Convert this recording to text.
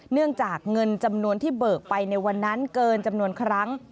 เนื่องจากเงินจำนวนที่เบิกไปในวันนั้นเกินจำนวนครั้ง